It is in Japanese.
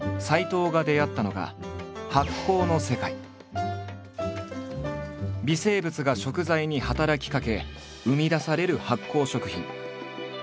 藤が出会ったのが微生物が食材に働きかけ生み出される発酵食品。